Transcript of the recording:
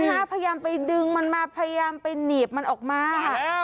พยายามไปดึงมันมาพยายามไปหนีบมันออกมาค่ะ